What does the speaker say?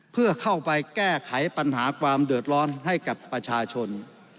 เพื่อเข้าไปแก้ไขปัญหาความเดือดร้อนให้กับประชาชน